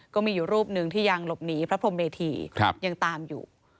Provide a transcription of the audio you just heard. ก็มีอยู่รูปหนึ่งที่ยังหลบหนีพระพรมเมธียังตามอยู่